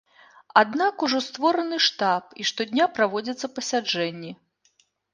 Аднак ужо створаны штаб і штодня праводзяцца пасяджэнні.